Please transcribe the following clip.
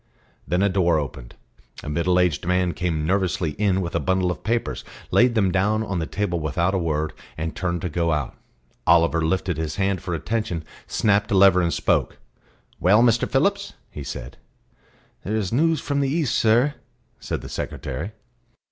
Then a door opened; a middle aged man came nervously in with a bundle of papers, laid them down on the table without a word, and turned to go out. Oliver lifted his hand for attention, snapped a lever, and spoke. "Well, Mr. Phillips?" he said. "There is news from the East, sir," said the secretary.